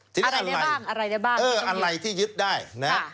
อะไรได้บ้างอะไรได้บ้างเอออะไรที่ยึดได้นะครับ